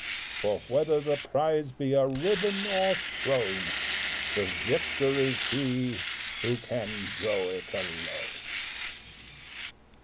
For, whether the prize be a ribbon or throne, The victor is he who can "go it alone!"